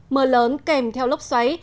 mờ lớn kèm theo lốc xoáy